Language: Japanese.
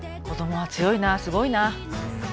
子供は強いなすごいな。